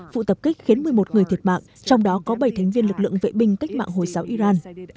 vụ tập kích khiến một mươi một người thiệt mạng trong đó có bảy thành viên lực lượng vệ binh cách mạng hồi giáo iran